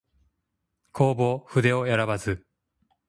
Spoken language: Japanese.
弘法筆を選ばず